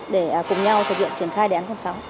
để cùng nhau thực hiện triển khai đề án sáu